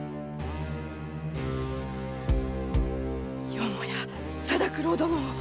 よもや定九郎殿を！